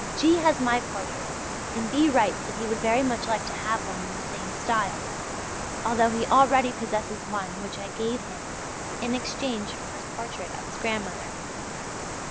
G. has my portrait and B. writes that he would very much like to have one in the same style, although he already possesses one which I gave him in exchange for his portrait of his grandmother.